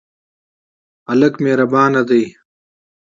هلک مهربان دی.